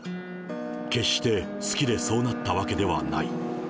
決して好きでそうなったわけではない。